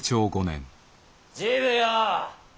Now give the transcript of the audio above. ・治部よ！